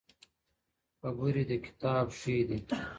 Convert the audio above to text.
¬ خبري د کتاب ښې دي.